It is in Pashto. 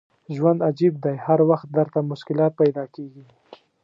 ژوند عجیب دی هر وخت درته مشکلات پیدا کېږي.